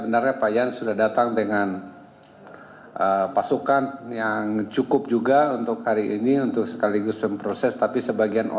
dan kami sudah sepakat ikbones rekre batslisten channel jaring atau